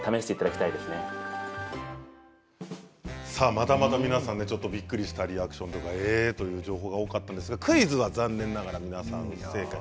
またまた、皆さんちょっとびっくりしたリアクションえーっという情報が多かったんですが、クイズは残念ながら皆さん不正解。